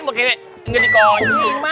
bukannya gini gini konyik mah